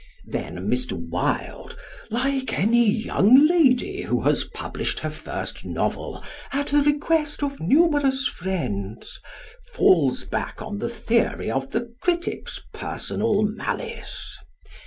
Then, Mr. Wilde (like any young lady who has published her first novel "at the request of numerous friends") falls back on the theory of the critic's personal malice.